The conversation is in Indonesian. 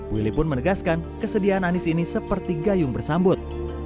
willy pun menegaskan kesediaan anies ini seperti gayung bersambut